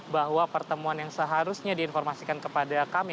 bahwa pertemuan yang seharusnya diinformasikan kepada kami